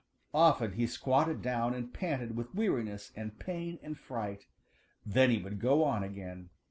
Often he squatted down and panted with weariness and pain and fright. Then he would go on again.